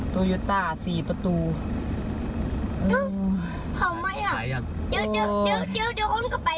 ตัวยูต้าสี่ประตูหอมไหมอ่ะเดี๋ยวเดี๋ยวเดี๋ยวเดี๋ยวหลงกลับไป